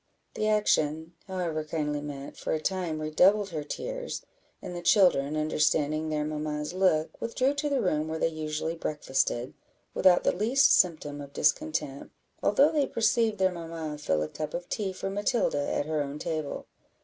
The action, however kindly meant, for a time redoubled her tears; and the children, understanding their mamma's look, withdrew to the room where they usually breakfasted, without the least symptom of discontent, although they perceived their mamma fill a cup of tea for Matilda at her own table.